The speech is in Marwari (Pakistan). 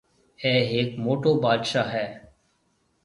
اَي هيَڪ موٽو بادشاه هيَ۔